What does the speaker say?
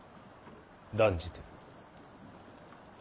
断じて。